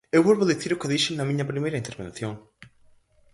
Eu volvo dicir o que dixen na miña primeira intervención.